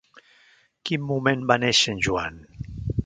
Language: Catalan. Quin moment va néixer en Joan?